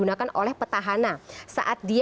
tetaplah bersama kami